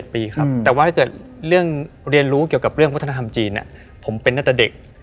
๗ปีครับแต่ว่าถ้าเกิดเรียนรู้เกี่ยวกับเรื่องพุทธธรรมจีนผมเป็นนักศาสตร์เด็ก